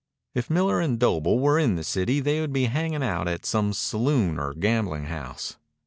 If Miller and Doble were in the city they would be hanging out at some saloon or gambling house.